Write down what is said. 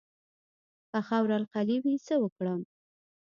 که خاوره القلي وي څه وکړم؟